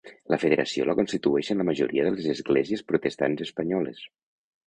La federació la constitueixen la majoria de les esglésies protestants espanyoles.